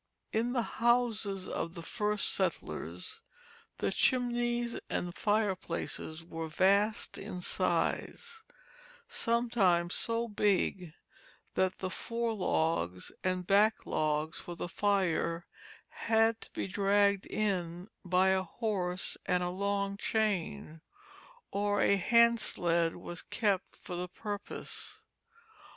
In the houses of the first settlers the chimneys and fireplaces were vast in size, sometimes so big that the fore logs and back logs for the fire had to be dragged in by a horse and a long chain; or a hand sled was kept for the purpose.